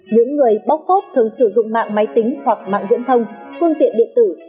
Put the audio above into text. những người bóc phốp thường sử dụng mạng máy tính hoặc mạng điện thông phương tiện điện tử